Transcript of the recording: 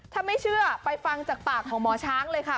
ถ้าไม่เชื่อไปฟังจากปากของหมอช้างเลยค่ะ